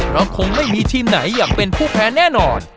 คงไม่มีทีมไหนอยากเป็นผู้แพ้แน่นอน